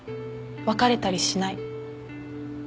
別れたりしない。